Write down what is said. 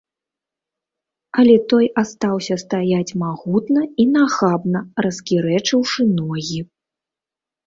Але той астаўся стаяць магутна і нахабна, раскірэчыўшы ногі.